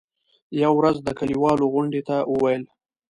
يوه ورځ د کلیوالو غونډې ته وویل.